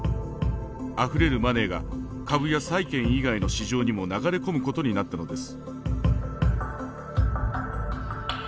あふれるマネーが株や債権以外の市場にも流れ込むことになったのです。